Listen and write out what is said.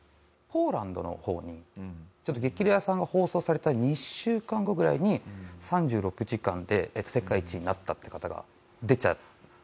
ポーランドの方に『激レアさん』が放送された２週間後ぐらいに３６時間で世界一になったって方が出ちゃったって事を知って。